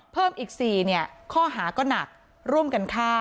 เพิ่มอีก๔ข้อหาก็หนักร่วมกันฆ่า